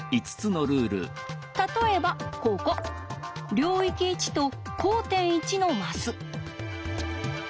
例えばここ領域１と交点１のマス。